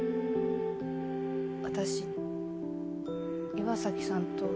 私岩崎さんと。